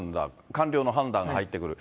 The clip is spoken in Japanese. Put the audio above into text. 官僚の判断が入ってくる。